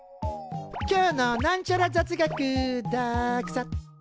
今日のなんちゃら雑学ＤＡＸＡ。